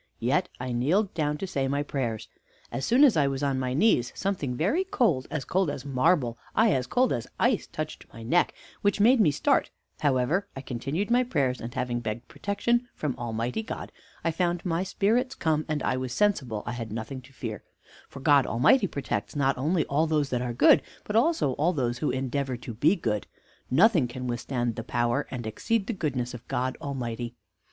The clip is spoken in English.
Yet I kneeled down to say my prayers. As soon as I was on my knees, something very cold, as cold as marble, ay, as cold as ice, touched my neck, which made me start, however, I continued my prayers, and having begged protection from Almighty God, I found my spirits come, and I was sensible I had nothing to fear; for God Almighty protects not only all those that are good, but also all those who endeavor to be good nothing can withstand the power, and exceed the goodness of God Almighty.